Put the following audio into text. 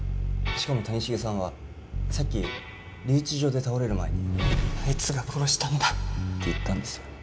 しかも谷繁さんはさっき留置所で倒れる前にあいつが殺したんだと言ったんですよ